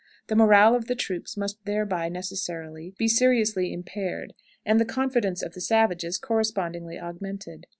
The morale of the troops must thereby necessarily be seriously impaired, and the confidence of the savages correspondingly augmented.